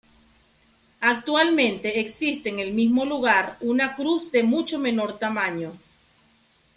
Actualmente existe en el mismo lugar una cruz de mucho menor tamaño.